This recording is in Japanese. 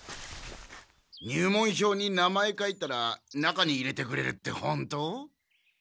入門票に名前書いたら中に入れてくれるって本当？